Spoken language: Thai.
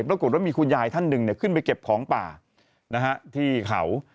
ปรากฏว่ามีคุณยายท่านหนึ่งขึ้นไปเก็บของป่าที่เขา